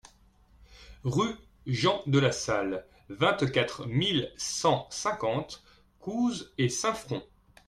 Rue Jean de la Salle, vingt-quatre mille cent cinquante Couze-et-Saint-Front